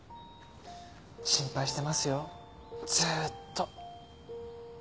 心配してますよずっと。